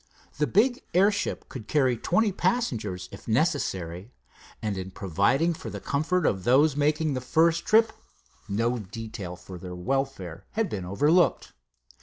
The big airship could carry twenty passengers, if necessary, and in providing for the comfort of those making the first trip no detail for their welfare had been overlooked.